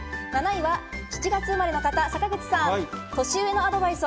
７位は７月生まれの方、坂口さん。